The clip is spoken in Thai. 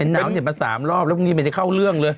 เห็นหนาวเนี่ยมา๓รอบแล้วพรุ่งนี้ไม่ได้เข้าเรื่องเลย